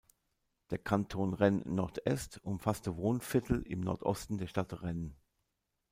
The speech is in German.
Der Kanton Rennes-Nord-Est umfasste Wohnviertel im Nordosten der Stadt Rennes.